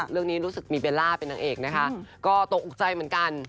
เรื่องนี้รู้สึกมีเบลล่าเป็นนางเอกนะคะก็ตกใจเหมือนกัน